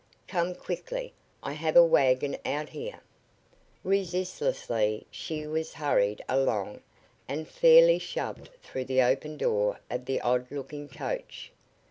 "Come quickly; I have a wagon out here." Resistlessly she was hurried along and fairly shoved through the open door of the odd looking coach.